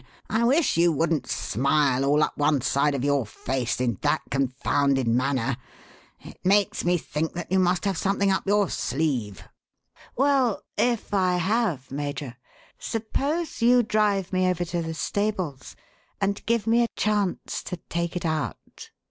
I wish you wouldn't smile all up one side of your face in that confounded manner. It makes me think that you must have something up your sleeve." "Well, if I have, Major, suppose you drive me over to the stables and give me a chance to take it out?"